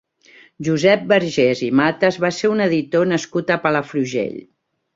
Josep Vergés i Matas va ser un editor nascut a Palafrugell.